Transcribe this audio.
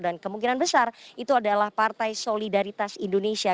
dan kemungkinan besar itu adalah partai solidaritas indonesia